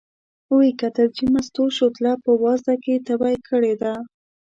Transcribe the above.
و یې کتل چې مستو شوتله په وازده کې تبی کړې ده.